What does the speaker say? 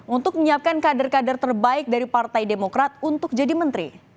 untuk menyiapkan kader kader terbaik dari partai demokrat untuk jadi menteri